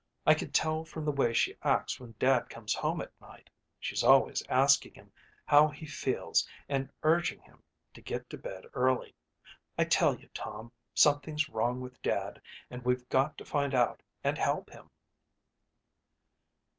I can tell from the way she acts when Dad comes home at night. She's always asking him how he feels and urging him to get to bed early. I tell you, Tom, something's wrong with Dad and we've got to find out and help him."